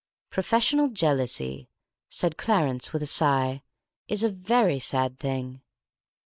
"Professional jealousy," said Clarence, with a sigh, "is a very sad thing."